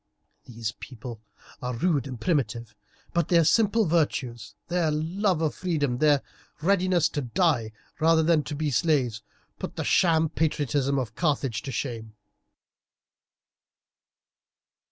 These people are rude and primitive, but their simple virtues, their love of freedom, their readiness to die rather than to be slaves, put the sham patriotism of Carthage to shame."